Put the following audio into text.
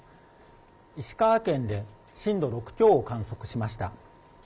石川県で震度６強を観測しました。